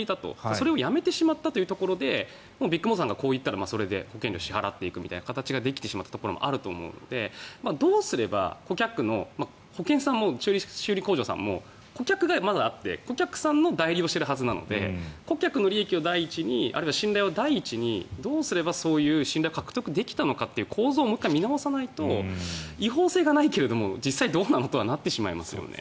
それをやめてしまったということでビッグモーターさんがこういったら保険料を支払っていくという形ができてしまったところもあると思うのでどうすれば保険の修理業者さんも顧客がまずあって顧客さんの代理をしているはずなので顧客の利益を第一にあるいは信頼を第一にどうすれば信頼を獲得できたのかという構造をもう１回見直さないと違法性はないけれども実際どうなの？とはなってしまいますよね。